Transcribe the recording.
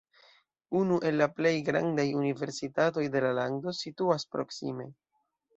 Unu el la plej grandaj universitatoj de la lando situas proksime.